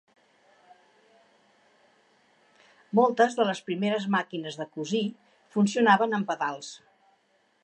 Moltes de les primeres màquines de cosir funcionaven amb pedals.